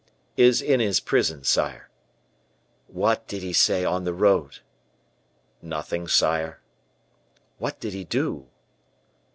"Is in his prison, sire." "What did he say on the road?" "Nothing, sire." "What did he do?"